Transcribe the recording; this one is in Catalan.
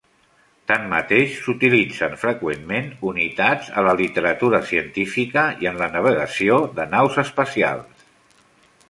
Tanmateix, s'utilitzen freqüentment unitats a la literatura científica i en la navegació de naus espacials.